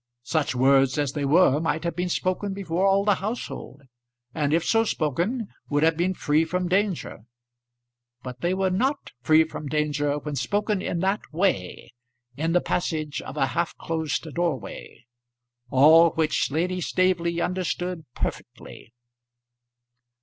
Such words as they were might have been spoken before all the household, and if so spoken would have been free from danger. But they were not free from danger when spoken in that way, in the passage of a half closed doorway; all which Lady Staveley understood perfectly.